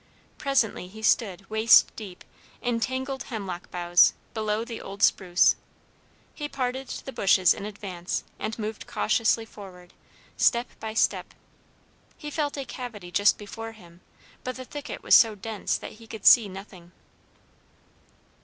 Presently he stood, waist deep, in tangled hemlock boughs, below the old spruce. He parted the bushes in advance, and moved cautiously forward, step by step. He felt a cavity just before him, but the thicket was so dense that he could see nothing.